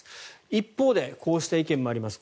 一方でこうした意見もあります。